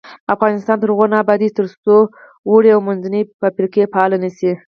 افغانستان تر هغو نه ابادیږي، ترڅو وړې او منځنۍ فابریکې فعالې نشي.